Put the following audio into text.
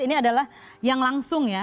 ini adalah yang langsung ya